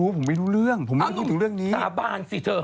ไหนรู้ครับใครจะสาบานสิเธอ